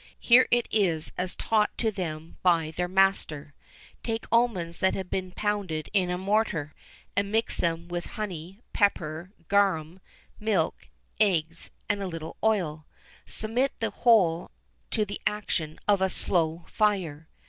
Here it is, as taught to them by their master: Take almonds that have been pounded in a mortar, and mix them with honey, pepper, garum, milk, eggs, and a little oil; submit the whole to the action of a slow fire.